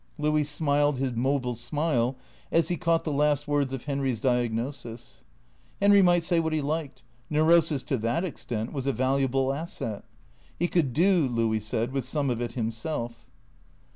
Louis smiled his mobile smile as he caught the last words of Henry's diagnosis. Henry might say what he liked. Neurosis, to that extent, was a valuable asset. He could do, Louis said, with some of it him self.